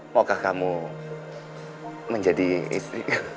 maukah kamu menjadi istri